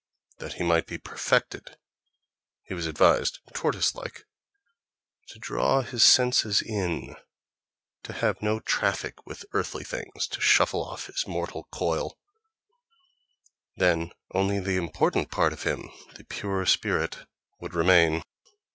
That he might be perfected, he was advised, tortoise like, to draw his senses in, to have no traffic with earthly things, to shuffle off his mortal coil—then only the important part of him, the "pure spirit," would remain.